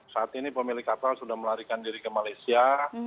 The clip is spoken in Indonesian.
saat ini pemilik kapal sudah melarikan diri ke malaysia